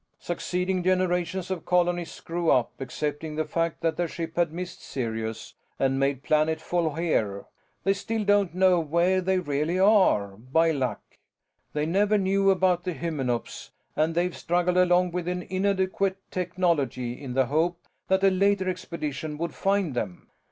"Succeeding generations of colonists grew up accepting the fact that their ship had missed Sirius and made planetfall here they still don't know where they really are by luck. They never knew about the Hymenops, and they've struggled along with an inadequate technology in the hope that a later expedition would find them.